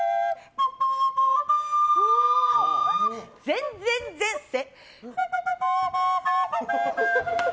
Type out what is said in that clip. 「前前前世」。